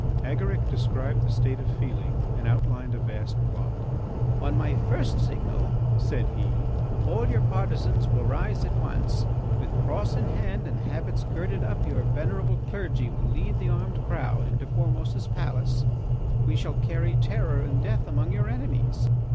Agaric described the state of feeling and outlined a vast plot. "On my first signal," said he, "all your partisans will rise at once. With cross in hand and habits girded up, your venerable clergy will lead the armed crowd into Formose's palace. We shall carry terror and death among your enemies.